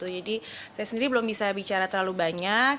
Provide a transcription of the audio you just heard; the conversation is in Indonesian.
jadi saya sendiri belum bisa bicara terlalu banyak